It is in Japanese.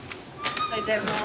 おはようございます。